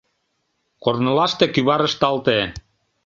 Корнылаште кӱвар ышталте.